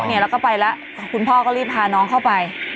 แล้วก็ไปแล้วคุณพ่อก็รีบพาน้องเข้าไป